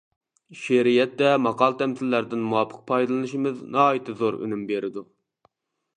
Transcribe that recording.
شېئىرىيەتتە ماقال-تەمسىللەردىن مۇۋاپىق پايدىلىنىشىمىز ناھايىتى زور ئۈنۈم بېرىدۇ.